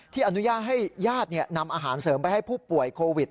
อนุญาตให้ญาตินำอาหารเสริมไปให้ผู้ป่วยโควิด